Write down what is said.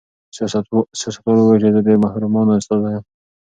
سیاستوال وویل چې زه د محرومانو استازی یم.